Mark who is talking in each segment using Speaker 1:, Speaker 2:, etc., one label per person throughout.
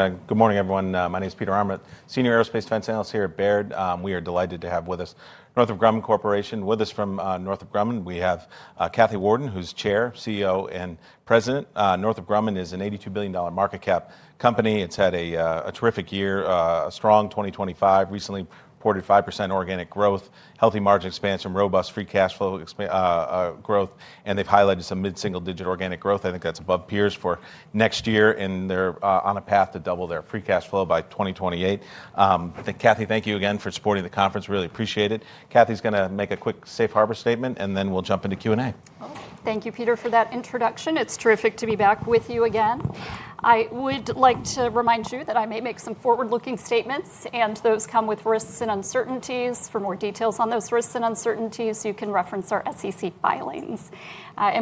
Speaker 1: Good morning, everyone. My name is Peter Arnold, Senior Aerospace Defense Analyst here at Baird. We are delighted to have with us Northrop Grumman Corporation. With us from Northrop Grumman, we have Kathy Warden, who's Chair, CEO, and President. Northrop Grumman is an $82 billion market cap company. It's had a terrific year, a strong 2025, recently reported 5% organic growth, healthy margin expansion, robust free cash flow growth, and they've highlighted some mid-single digit organic growth. I think that's above peers for next year, and they're on a path to double their free cash flow by 2028. Kathy, thank you again for supporting the conference. Really appreciate it. Kathy's going to make a quick safe harbor statement, and then we'll jump into Q&A.
Speaker 2: Thank you, Peter, for that introduction. It's terrific to be back with you again. I would like to remind you that I may make some forward-looking statements, and those come with risks and uncertainties. For more details on those risks and uncertainties, you can reference our SEC filings.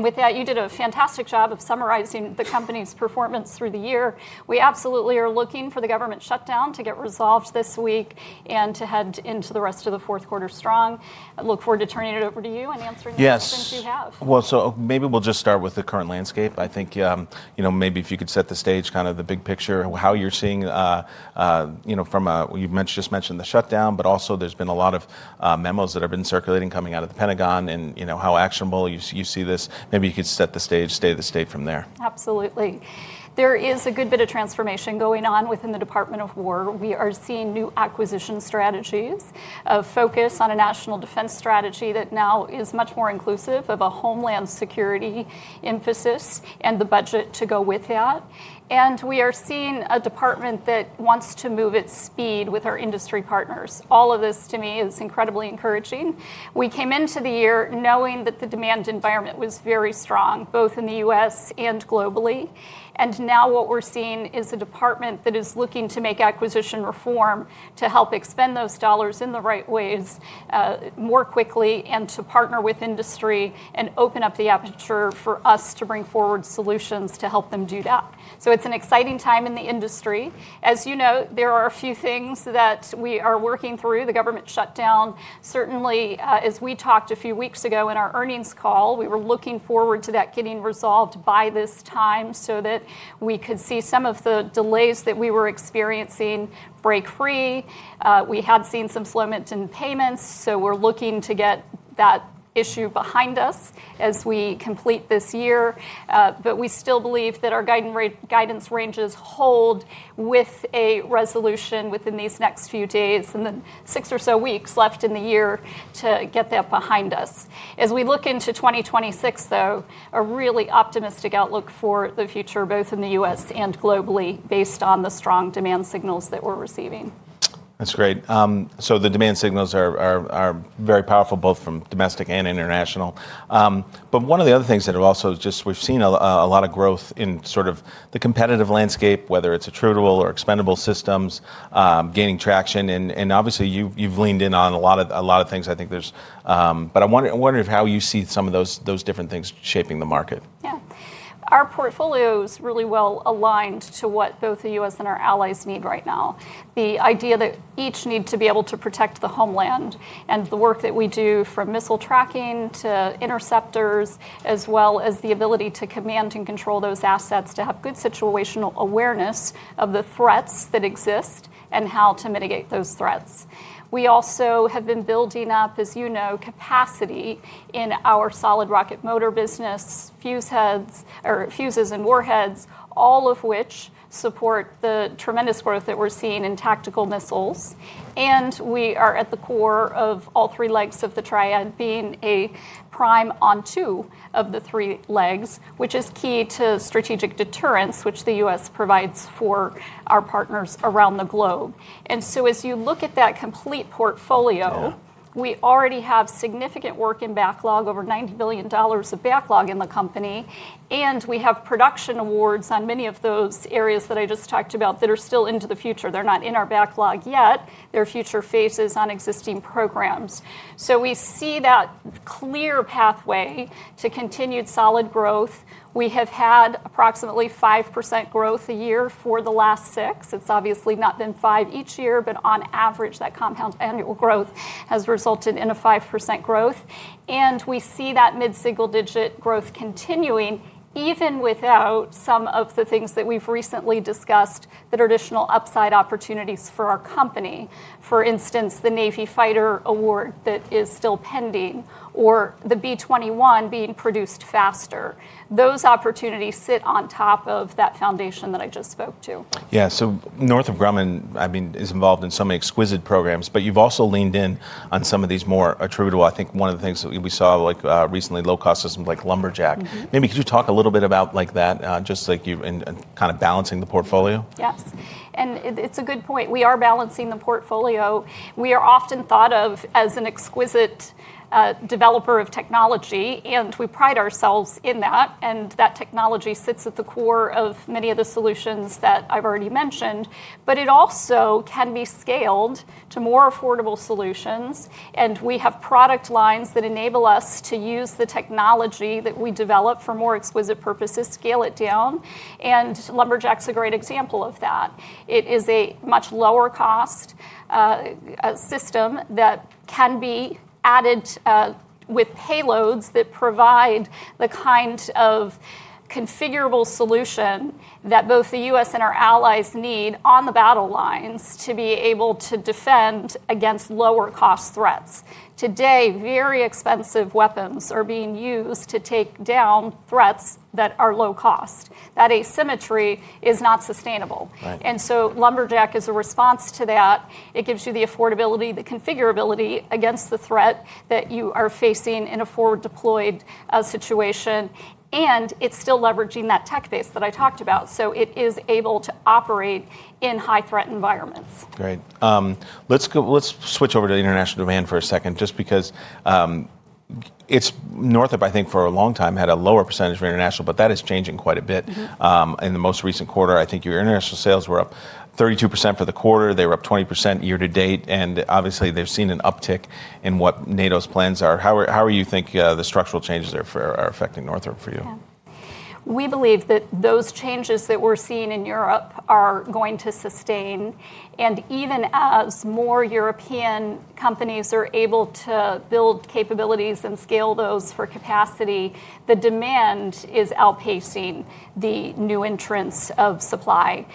Speaker 2: With that, you did a fantastic job of summarizing the company's performance through the year. We absolutely are looking for the government shutdown to get resolved this week and to head into the rest of the fourth quarter strong. I look forward to turning it over to you and answering the questions you have.
Speaker 1: Yes. Maybe we'll just start with the current landscape. I think maybe if you could set the stage, kind of the big picture, how you're seeing from a, you've just mentioned the shutdown, but also there's been a lot of memos that have been circulating coming out of the Pentagon and how actionable you see this. Maybe you could set the stage, state the state from there.
Speaker 2: Absolutely. There is a good bit of transformation going on within the Department of Defense. We are seeing new acquisition strategies, a focus on a national defense strategy that now is much more inclusive of a homeland security emphasis and the budget to go with that. We are seeing a department that wants to move at speed with our industry partners. All of this, to me, is incredibly encouraging. We came into the year knowing that the demand environment was very strong, both in the U.S. and globally. Now what we're seeing is a department that is looking to make acquisition reform to help expend those dollars in the right ways more quickly and to partner with industry and open up the aperture for us to bring forward solutions to help them do that. It is an exciting time in the industry. As you know, there are a few things that we are working through. The government shutdown, certainly, as we talked a few weeks ago in our earnings call, we were looking forward to that getting resolved by this time so that we could see some of the delays that we were experiencing break free. We had seen some slowment in payments, so we're looking to get that issue behind us as we complete this year. We still believe that our guidance ranges hold with a resolution within these next few days and the six or so weeks left in the year to get that behind us. As we look into 2026, though, a really optimistic outlook for the future, both in the U.S. and globally, based on the strong demand signals that we're receiving.
Speaker 1: That's great. The demand signals are very powerful, both from domestic and international. One of the other things that have also just, we've seen a lot of growth in sort of the competitive landscape, whether it's attributable or expendable systems, gaining traction. Obviously, you've leaned in on a lot of things, I think. I'm wondering how you see some of those different things shaping the market.
Speaker 2: Yeah. Our portfolio is really well aligned to what both the U.S. and our allies need right now. The idea that each need to be able to protect the homeland and the work that we do from missile tracking to interceptors, as well as the ability to command and control those assets, to have good situational awareness of the threats that exist and how to mitigate those threats. We also have been building up, as you know, capacity in our solid rocket motor business, fuse heads or fuses and warheads, all of which support the tremendous growth that we're seeing in tactical missiles. We are at the core of all three legs of the triad, being a prime on two of the three legs, which is key to strategic deterrence, which the U.S. provides for our partners around the globe. As you look at that complete portfolio, we already have significant work in backlog, over $90 billion of backlog in the company. We have production awards on many of those areas that I just talked about that are still into the future. They're not in our backlog yet. They're future phases on existing programs. We see that clear pathway to continued solid growth. We have had approximately 5% growth a year for the last six. It's obviously not been 5% each year, but on average, that compound annual growth has resulted in a 5% growth. We see that mid-single digit growth continuing, even without some of the things that we've recently discussed, the traditional upside opportunities for our company. For instance, the Navy Fighter Award that is still pending or the B-21 being produced faster. Those opportunities sit on top of that foundation that I just spoke to.
Speaker 1: Yeah. So Northrop Grumman, I mean, is involved in some exquisite programs, but you've also leaned in on some of these more attritable. I think one of the things that we saw recently, low-cost systems like Lumberjack. Maybe could you talk a little bit about that, just like you're kind of balancing the portfolio?
Speaker 2: Yes. It is a good point. We are balancing the portfolio. We are often thought of as an exquisite developer of technology, and we pride ourselves in that. That technology sits at the core of many of the solutions that I have already mentioned, but it also can be scaled to more affordable solutions. We have product lines that enable us to use the technology that we develop for more exquisite purposes, scale it down. Lumberjack is a great example of that. It is a much lower-cost system that can be added with payloads that provide the kind of configurable solution that both the U.S. and our allies need on the battle lines to be able to defend against lower-cost threats. Today, very expensive weapons are being used to take down threats that are low-cost. That asymmetry is not sustainable. Lumberjack is a response to that. It gives you the affordability, the configurability against the threat that you are facing in a forward-deployed situation. It is still leveraging that tech base that I talked about. It is able to operate in high-threat environments.
Speaker 1: Great. Let's switch over to international demand for a second, just because Northrop, I think for a long time had a lower percentage of international, but that is changing quite a bit. In the most recent quarter, I think your international sales were up 32% for the quarter. They were up 20% year-to-date. Obviously, they've seen an uptick in what NATO's plans are. How do you think the structural changes are affecting Northrop for you?
Speaker 2: We believe that those changes that we're seeing in Europe are going to sustain. Even as more European companies are able to build capabilities and scale those for capacity, the demand is outpacing the new entrants of supply.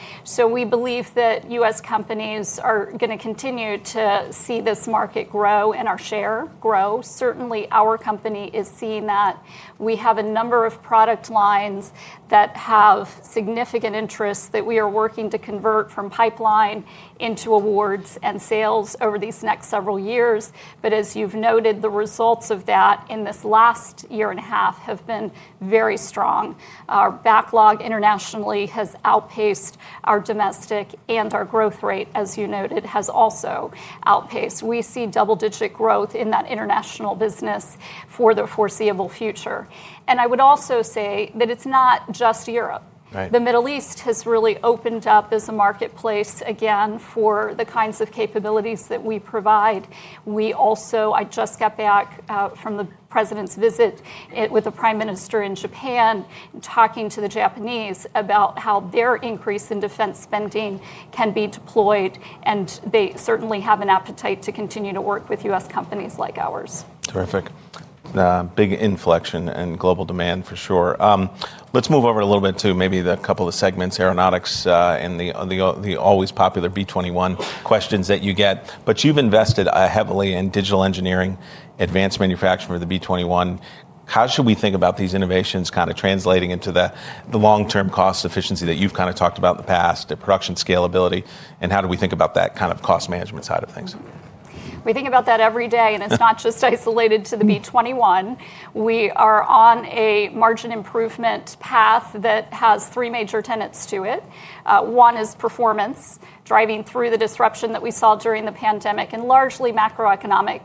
Speaker 2: We believe that U.S. companies are going to continue to see this market grow and our share grow. Certainly, our company is seeing that. We have a number of product lines that have significant interest that we are working to convert from pipeline into awards and sales over these next several years. As you've noted, the results of that in this last year and a half have been very strong. Our backlog internationally has outpaced our domestic and our growth rate, as you noted, has also outpaced. We see double-digit growth in that international business for the foreseeable future. I would also say that it's not just Europe. The Middle East has really opened up as a marketplace again for the kinds of capabilities that we provide. We also, I just got back from the president's visit with the prime minister in Japan, talking to the Japanese about how their increase in defense spending can be deployed. They certainly have an appetite to continue to work with U.S. companies like ours.
Speaker 1: Terrific. Big inflection and global demand, for sure. Let's move over a little bit to maybe a couple of segments, aeronautics and the always popular B-21 questions that you get. But you've invested heavily in digital engineering, advanced manufacturing for the B-21. How should we think about these innovations kind of translating into the long-term cost efficiency that you've kind of talked about in the past, the production scalability? And how do we think about that kind of cost management side of things?
Speaker 2: We think about that every day. It is not just isolated to the B-21. We are on a margin improvement path that has three major tenets to it. One is performance, driving through the disruption that we saw during the pandemic. Largely, macroeconomic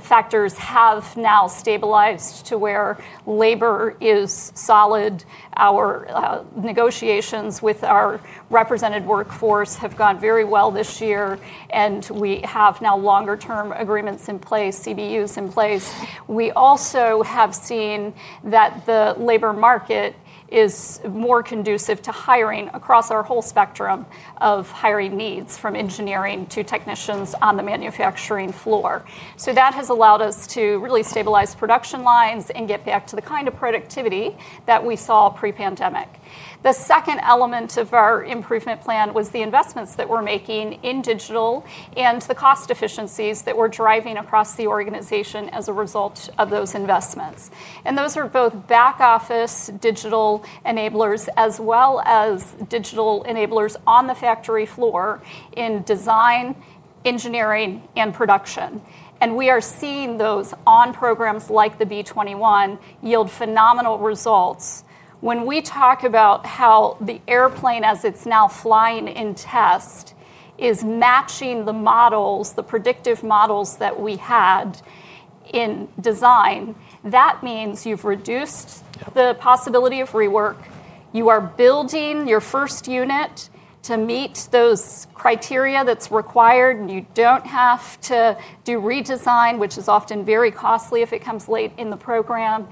Speaker 2: factors have now stabilized to where labor is solid. Our negotiations with our represented workforce have gone very well this year. We have now longer-term agreements in place, CBUs in place. We also have seen that the labor market is more conducive to hiring across our whole spectrum of hiring needs, from engineering to technicians on the manufacturing floor. That has allowed us to really stabilize production lines and get back to the kind of productivity that we saw pre-pandemic. The second element of our improvement plan was the investments that we're making in digital and the cost efficiencies that we're driving across the organization as a result of those investments. Those are both back-office digital enablers as well as digital enablers on the factory floor in design, engineering, and production. We are seeing those on programs like the B-21 yield phenomenal results. When we talk about how the airplane, as it's now flying in test, is matching the models, the predictive models that we had in design, that means you've reduced the possibility of rework. You are building your first unit to meet those criteria that's required. You don't have to do redesign, which is often very costly if it comes late in the program.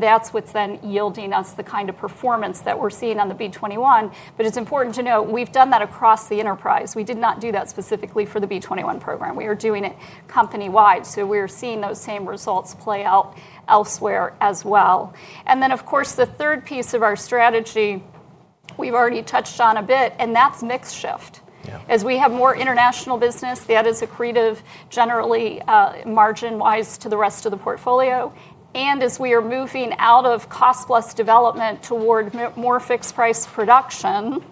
Speaker 2: That's what's then yielding us the kind of performance that we're seeing on the B-21. It is important to note, we have done that across the enterprise. We did not do that specifically for the B-21 program. We are doing it company-wide. We are seeing those same results play out elsewhere as well. Of course, the third piece of our strategy we have already touched on a bit, and that is mix shift. As we have more international business, that is accretive generally margin-wise to the rest of the portfolio. As we are moving out of cost-plus development toward more fixed-price production,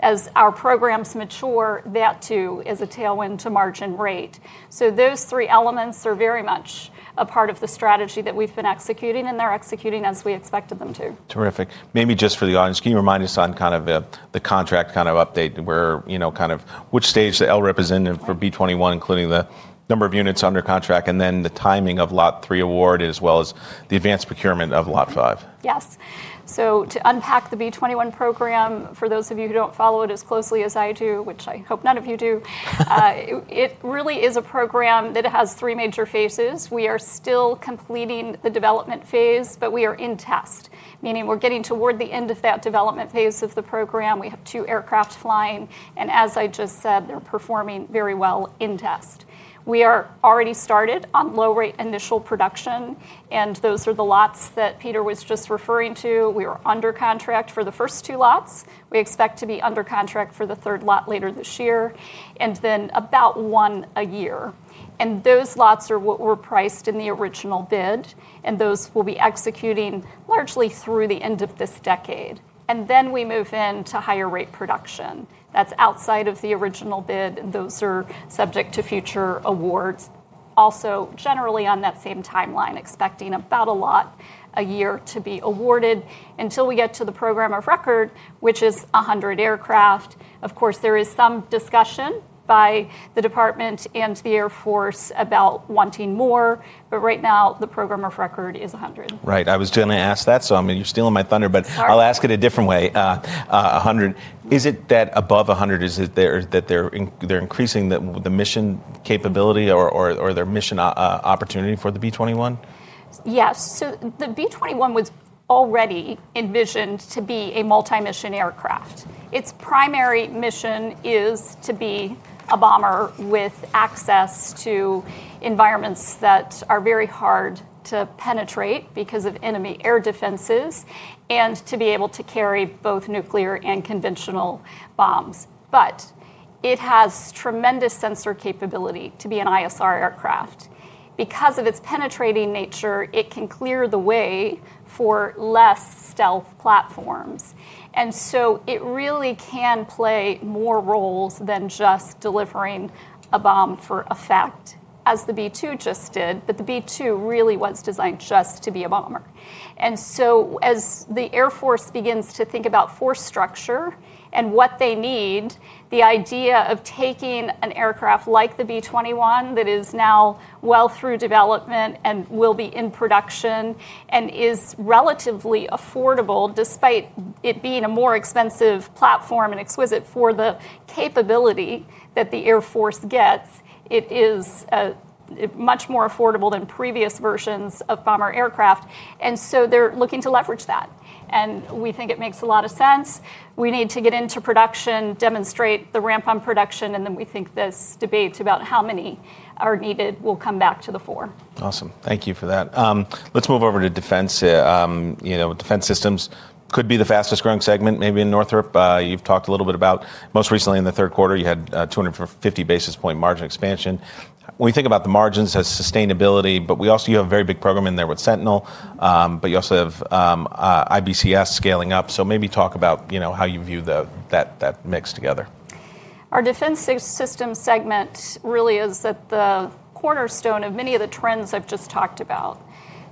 Speaker 2: as our programs mature, that too is a tailwind to margin rate. Those three elements are very much a part of the strategy that we have been executing, and they are executing as we expected them to.
Speaker 1: Terrific. Maybe just for the audience, can you remind us on kind of the contract kind of update where kind of which stage the LREP is in for B-21, including the number of units under contract and then the timing of Lot 3 award as well as the advanced procurement of Lot 5?
Speaker 2: Yes. To unpack the B-21 program, for those of you who do not follow it as closely as I do, which I hope none of you do, it really is a program that has three major phases. We are still completing the development phase, but we are in test, meaning we are getting toward the end of that development phase of the program. We have two aircraft flying. As I just said, they are performing very well in test. We are already started on low-rate initial production. Those are the lots that Peter was just referring to. We were under contract for the first two lots. We expect to be under contract for the third lot later this year and then about one a year. Those lots are what were priced in the original bid. Those will be executing largely through the end of this decade. We move into higher-rate production. That is outside of the original bid. Those are subject to future awards. Also, generally on that same timeline, expecting about a lot a year to be awarded until we get to the program of record, which is 100 aircraft. Of course, there is some discussion by the department and the Air Force about wanting more. Right now, the program of record is 100.
Speaker 1: Right. I was going to ask that. I mean, you're stealing my thunder, but I'll ask it a different way. 100. Is it that above 100, is it that they're increasing the mission capability or their mission opportunity for the B-21?
Speaker 2: Yes. The B-21 was already envisioned to be a multi-mission aircraft. Its primary mission is to be a bomber with access to environments that are very hard to penetrate because of enemy air defenses and to be able to carry both nuclear and conventional bombs. It has tremendous sensor capability to be an ISR aircraft. Because of its penetrating nature, it can clear the way for less stealth platforms. It really can play more roles than just delivering a bomb for effect, as the B-2 just did. The B-2 really was designed just to be a bomber. As the Air Force begins to think about force structure and what they need, the idea of taking an aircraft like the B-21 that is now well through development and will be in production and is relatively affordable, despite it being a more expensive platform and exquisite for the capability that the Air Force gets, it is much more affordable than previous versions of bomber aircraft. They are looking to leverage that. We think it makes a lot of sense. We need to get into production, demonstrate the ramp on production. We think this debate about how many are needed will come back to the fore.
Speaker 1: Awesome. Thank you for that. Let's move over to defense here. Defense systems could be the fastest-growing segment, maybe in Northrop. You've talked a little bit about most recently in the third quarter, you had 250 basis point margin expansion. When you think about the margins as sustainability, but we also have a very big program in there with Sentinel, but you also have IBCS scaling up. So maybe talk about how you view that mix together.
Speaker 2: Our defense system segment really is at the cornerstone of many of the trends I've just talked about.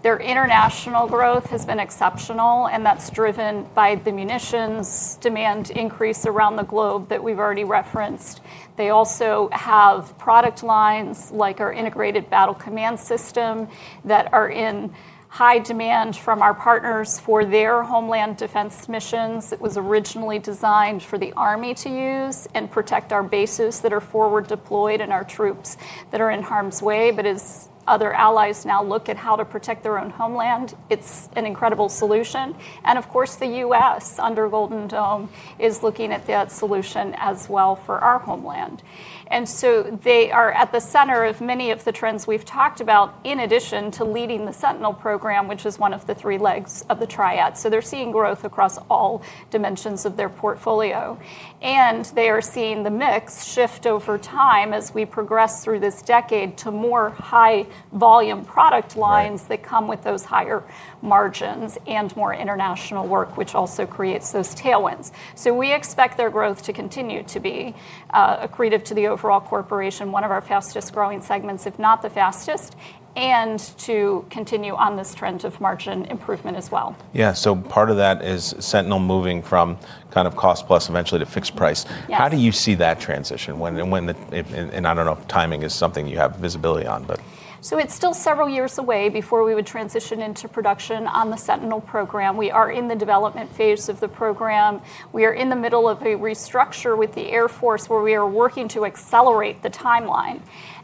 Speaker 2: Their international growth has been exceptional. That is driven by the munitions demand increase around the globe that we've already referenced. They also have product lines like our Integrated Battle Command System that are in high demand from our partners for their homeland defense missions. It was originally designed for the Army to use and protect our bases that are forward deployed and our troops that are in harm's way. As other allies now look at how to protect their own homeland, it's an incredible solution. Of course, the U.S. under Golden Dome is looking at that solution as well for our homeland. They are at the center of many of the trends we've talked about, in addition to leading the Sentinel program, which is one of the three legs of the Triad. They are seeing growth across all dimensions of their portfolio. They are seeing the mix shift over time as we progress through this decade to more high-volume product lines that come with those higher margins and more international work, which also creates those tailwinds. We expect their growth to continue to be accretive to the overall corporation, one of our fastest-growing segments, if not the fastest, and to continue on this trend of margin improvement as well.
Speaker 1: Yeah. Part of that is Sentinel moving from kind of cost-plus eventually to fixed price. How do you see that transition? I do not know if timing is something you have visibility on, but.
Speaker 2: It's still several years away before we would transition into production on the Sentinel program. We are in the development phase of the program. We are in the middle of a restructure with the Air Force where we are working to accelerate the timeline.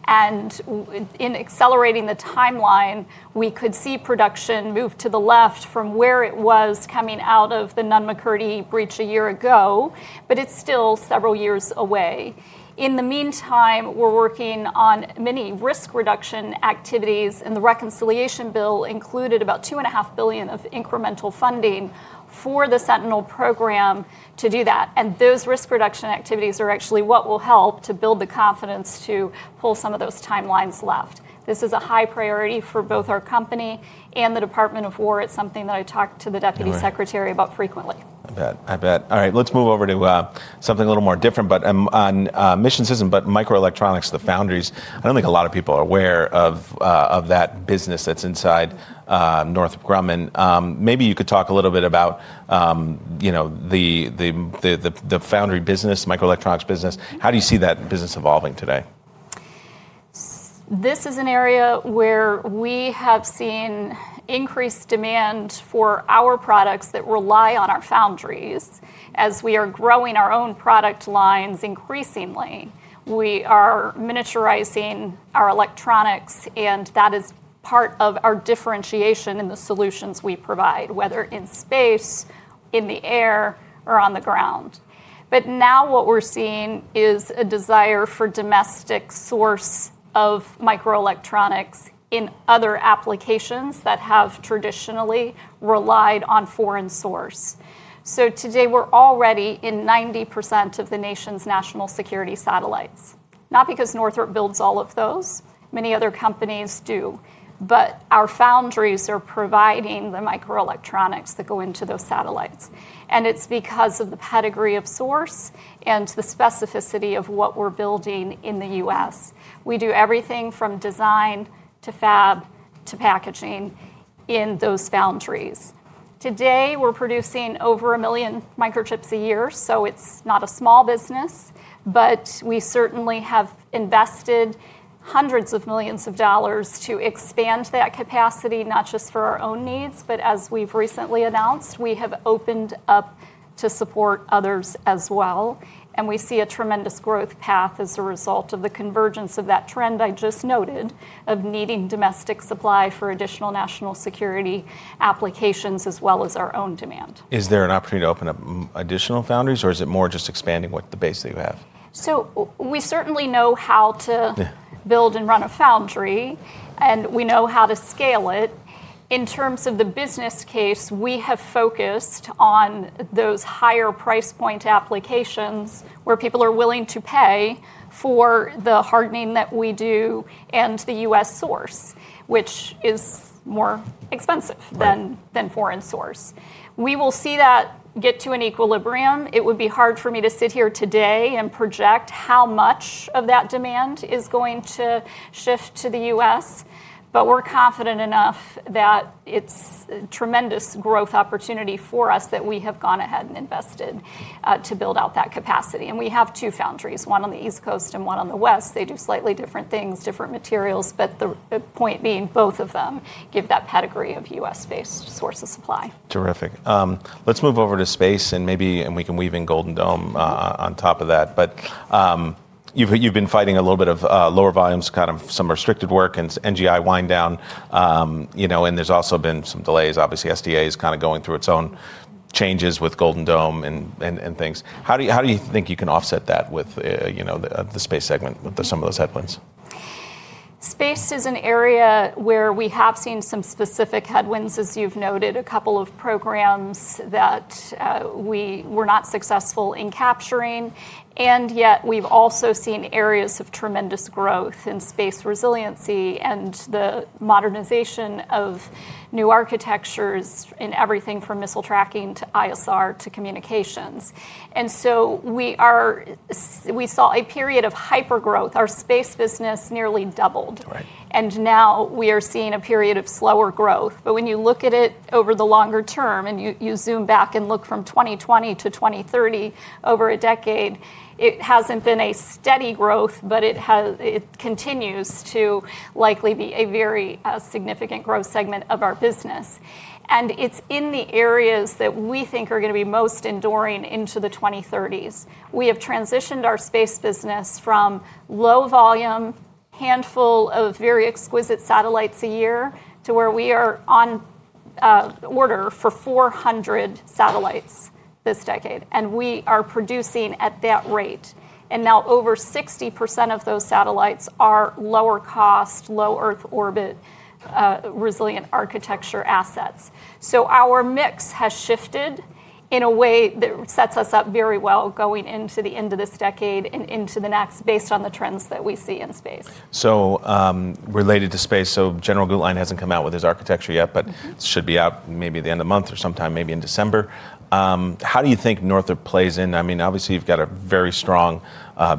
Speaker 2: In accelerating the timeline, we could see production move to the left from where it was coming out of the Nunn-McCurdy breach a year ago, but it's still several years away. In the meantime, we're working on many risk reduction activities. The reconciliation bill included about $2.5 billion of incremental funding for the Sentinel program to do that. Those risk reduction activities are actually what will help to build the confidence to pull some of those timelines left. This is a high priority for both our company and the Department of Defense. It's something that I talk to the Deputy Secretary about frequently.
Speaker 1: I bet. All right. Let's move over to something a little more different, but on mission systems, but microelectronics, the foundries. I don't think a lot of people are aware of that business that's inside Northrop Grumman. Maybe you could talk a little bit about the foundry business, microelectronics business. How do you see that business evolving today?
Speaker 2: This is an area where we have seen increased demand for our products that rely on our foundries. As we are growing our own product lines increasingly, we are miniaturizing our electronics. That is part of our differentiation in the solutions we provide, whether in space, in the air, or on the ground. Now what we're seeing is a desire for domestic source of microelectronics in other applications that have traditionally relied on foreign source. Today, we're already in 90% of the nation's national security satellites, not because Northrop builds all of those. Many other companies do. Our foundries are providing the microelectronics that go into those satellites. It is because of the pedigree of source and the specificity of what we're building in the U.S. We do everything from design to fab to packaging in those foundries. Today, we're producing over a million microchips a year. It is not a small business. We certainly have invested hundreds of millions of dollars to expand that capacity, not just for our own needs, but as we've recently announced, we have opened up to support others as well. We see a tremendous growth path as a result of the convergence of that trend I just noted of needing domestic supply for additional national security applications as well as our own demand.
Speaker 1: Is there an opportunity to open up additional foundries, or is it more just expanding what the base that you have?
Speaker 2: We certainly know how to build and run a foundry. We know how to scale it. In terms of the business case, we have focused on those higher price point applications where people are willing to pay for the hardening that we do and the U.S. source, which is more expensive than foreign source. We will see that get to an equilibrium. It would be hard for me to sit here today and project how much of that demand is going to shift to the U.S. We are confident enough that it is a tremendous growth opportunity for us that we have gone ahead and invested to build out that capacity. We have two foundries, one on the East Coast and one on the West. They do slightly different things, different materials. The point being, both of them give that pedigree of U.S.-based source of supply.
Speaker 1: Terrific. Let's move over to space. Maybe we can weave in Golden Dome on top of that. You've been fighting a little bit of lower volumes, kind of some restricted work and NGI wind down. There's also been some delays. Obviously, SDA is kind of going through its own changes with Golden Dome and things. How do you think you can offset that with the space segment with some of those headwinds?
Speaker 2: Space is an area where we have seen some specific headwinds, as you have noted, a couple of programs that we were not successful in capturing. Yet, we have also seen areas of tremendous growth in space resiliency and the modernization of new architectures in everything from missile tracking to ISR to communications. We saw a period of hypergrowth. Our space business nearly doubled. Now we are seeing a period of slower growth. When you look at it over the longer term and you zoom back and look from 2020 to 2030, over a decade, it has not been a steady growth, but it continues to likely be a very significant growth segment of our business. It is in the areas that we think are going to be most enduring into the 2030s. We have transitioned our space business from low volume, handful of very exquisite satellites a year to where we are on order for 400 satellites this decade. We are producing at that rate. Now over 60% of those satellites are lower cost, low Earth orbit, resilient architecture assets. Our mix has shifted in a way that sets us up very well going into the end of this decade and into the next based on the trends that we see in space.
Speaker 1: Related to space, General Guetlein hasn't come out with his architecture yet, but it should be out maybe at the end of the month or sometime, maybe in December. How do you think Northrop plays in? I mean, obviously, you've got a very strong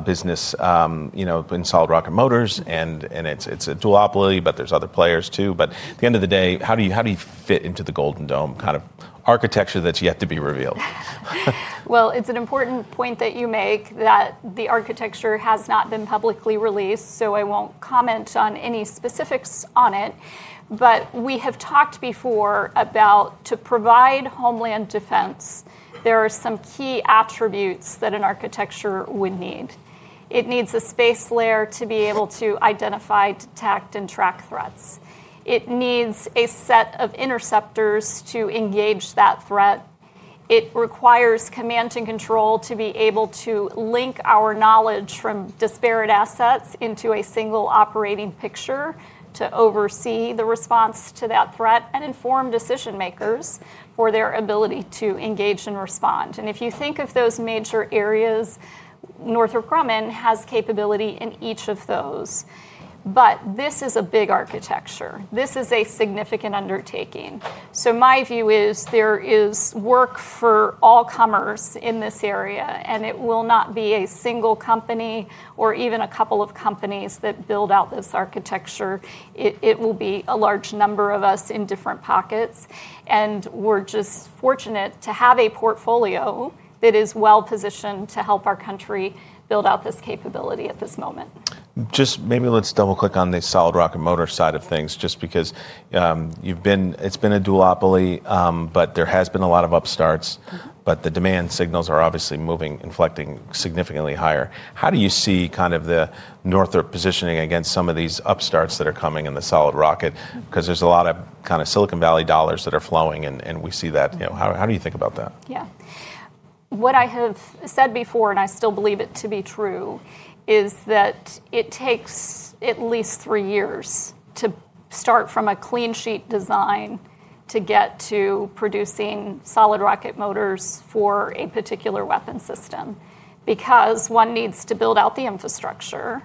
Speaker 1: business in solid rocket motors. And it's a duopoly, but there's other players too. At the end of the day, how do you fit into the Golden Dome kind of architecture that's yet to be revealed?
Speaker 2: It's an important point that you make that the architecture has not been publicly released. I won't comment on any specifics on it. We have talked before about to provide homeland defense, there are some key attributes that an architecture would need. It needs a space layer to be able to identify, detect, and track threats. It needs a set of interceptors to engage that threat. It requires command and control to be able to link our knowledge from disparate assets into a single operating picture to oversee the response to that threat and inform decision makers for their ability to engage and respond. If you think of those major areas, Northrop Grumman has capability in each of those. This is a big architecture. This is a significant undertaking. My view is there is work for all comers in this area. It will not be a single company or even a couple of companies that build out this architecture. It will be a large number of us in different pockets. We are just fortunate to have a portfolio that is well positioned to help our country build out this capability at this moment.
Speaker 1: Just maybe let's double-click on the solid rocket motor side of things, just because it's been a duopoly, but there has been a lot of upstarts. The demand signals are obviously moving, inflecting significantly higher. How do you see kind of the Northrop positioning against some of these upstarts that are coming in the solid rocket? There's a lot of kind of Silicon Valley dollars that are flowing. We see that. How do you think about that?
Speaker 2: Yeah. What I have said before, and I still believe it to be true, is that it takes at least three years to start from a clean sheet design to get to producing solid rocket motors for a particular weapon system. Because one needs to build out the infrastructure.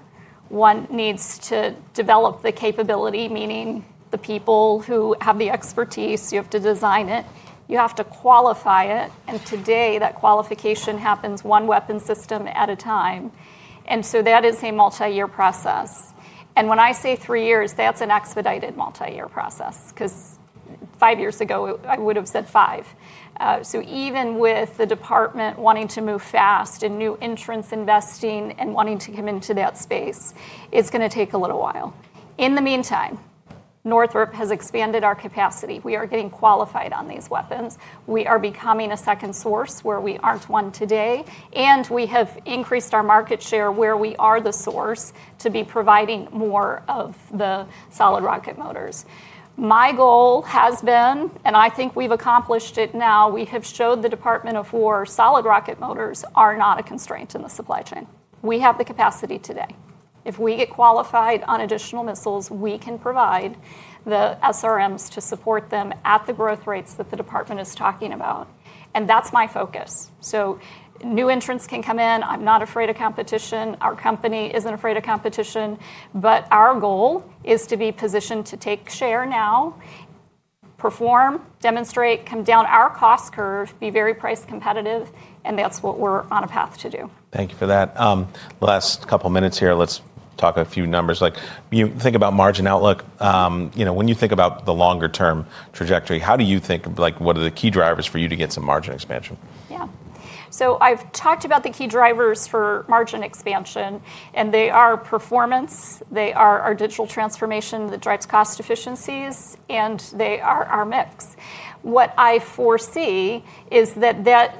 Speaker 2: One needs to develop the capability, meaning the people who have the expertise. You have to design it. You have to qualify it. Today, that qualification happens one weapon system at a time. That is a multi-year process. When I say three years, that is an expedited multi-year process. Five years ago, I would have said five. Even with the department wanting to move fast and new entrants investing and wanting to come into that space, it is going to take a little while. In the meantime, Northrop has expanded our capacity. We are getting qualified on these weapons. We are becoming a second source where we are not one today. We have increased our market share where we are the source to be providing more of the solid rocket motors. My goal has been, and I think we have accomplished it now, we have showed the Department of Defense solid rocket motors are not a constraint in the supply chain. We have the capacity today. If we get qualified on additional missiles, we can provide the SRMs to support them at the growth rates that the department is talking about. That is my focus. New entrants can come in. I am not afraid of competition. Our company is not afraid of competition. Our goal is to be positioned to take share now, perform, demonstrate, come down our cost curve, be very price competitive. That is what we are on a path to do.
Speaker 1: Thank you for that. Last couple of minutes here. Let's talk a few numbers. Think about margin outlook. When you think about the longer-term trajectory, how do you think what are the key drivers for you to get some margin expansion?
Speaker 2: Yeah. So I've talked about the key drivers for margin expansion. And they are performance. They are our digital transformation that drives cost efficiencies. And they are our mix. What I foresee is that that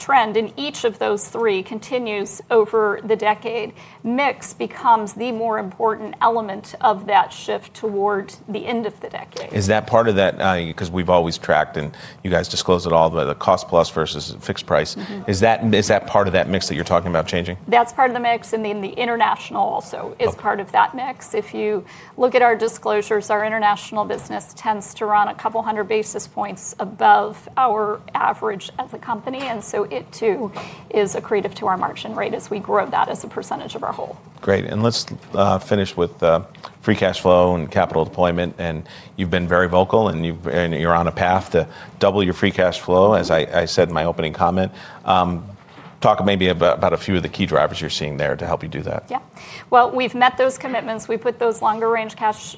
Speaker 2: trend in each of those three continues over the decade. Mix becomes the more important element of that shift toward the end of the decade.
Speaker 1: Is that part of that? Because we've always tracked, and you guys disclose it all, the cost-plus versus fixed price. Is that part of that mix that you're talking about changing?
Speaker 2: That's part of the mix. Then the international also is part of that mix. If you look at our disclosures, our international business tends to run a couple hundred basis points above our average as a company. It too is accretive to our margin rate as we grow that as a percentage of our whole.
Speaker 1: Great. Let's finish with free cash flow and capital deployment. You've been very vocal. You're on a path to double your free cash flow, as I said in my opening comment. Talk maybe about a few of the key drivers you're seeing there to help you do that.
Speaker 2: Yeah. We have met those commitments. We put those longer-range cash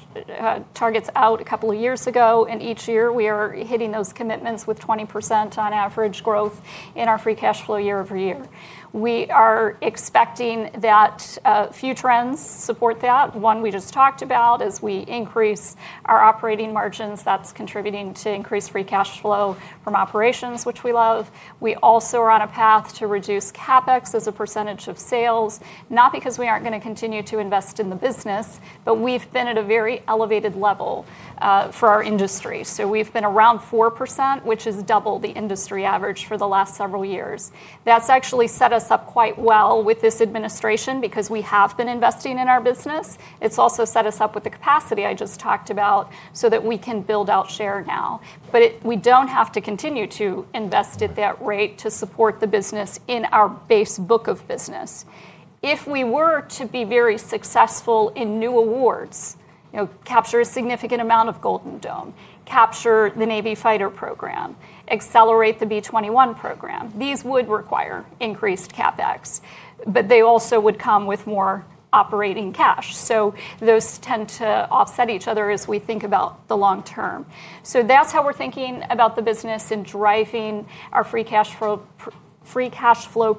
Speaker 2: targets out a couple of years ago. Each year, we are hitting those commitments with 20% on average growth in our free cash flow year-over-year. We are expecting that a few trends support that. One, we just talked about, as we increase our operating margins, that is contributing to increased free cash flow from operations, which we love. We also are on a path to reduce CapEx as a percentage of sales, not because we are not going to continue to invest in the business, but we have been at a very elevated level for our industry. We have been around 4%, which is double the industry average for the last several years. That has actually set us up quite well with this administration because we have been investing in our business. It's also set us up with the capacity I just talked about so that we can build out share now. We don't have to continue to invest at that rate to support the business in our base book of business. If we were to be very successful in new awards, capture a significant amount of Golden Dome, capture the Navy Fighter program, accelerate the B-21 program, these would require increased CapEx. They also would come with more operating cash. Those tend to offset each other as we think about the long term. That's how we're thinking about the business and driving our free cash flow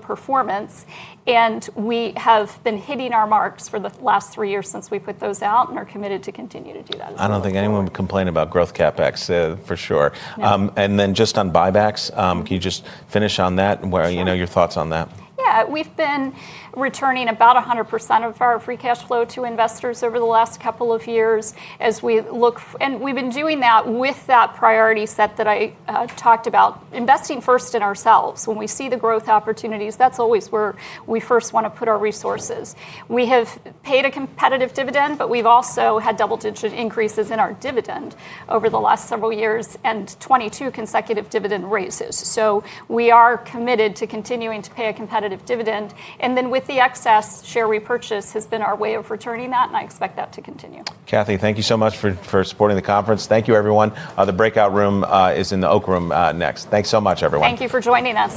Speaker 2: performance. We have been hitting our marks for the last three years since we put those out and are committed to continue to do that as well.
Speaker 1: I do not think anyone would complain about growth CapEx, for sure. And then just on buybacks, can you just finish on that? Your thoughts on that?
Speaker 2: Yeah. We've been returning about 100% of our free cash flow to investors over the last couple of years as we look. We've been doing that with that priority set that I talked about, investing first in ourselves. When we see the growth opportunities, that's always where we first want to put our resources. We have paid a competitive dividend, but we've also had double-digit increases in our dividend over the last several years and 22 consecutive dividend raises. We are committed to continuing to pay a competitive dividend. With the excess, share repurchase has been our way of returning that. I expect that to continue.
Speaker 1: Kathy, thank you so much for supporting the conference. Thank you, everyone. The breakout room is in the Oak Room next. Thanks so much, everyone.
Speaker 2: Thank you for joining us.